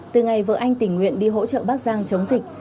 từ ngày vợ anh tình nguyện đi hỗ trợ bắc giang chống dịch